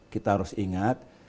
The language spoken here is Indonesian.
kita harus ingat